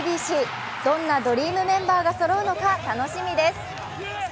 どんなドリームメンバーがそろうのか楽しみです。